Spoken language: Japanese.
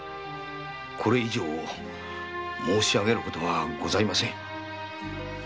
これ以上申し上げることはございません。